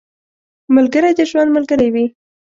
ملګری د ژوند ملګری وي